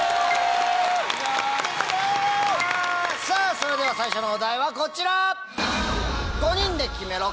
それでは最初のお題はこちら！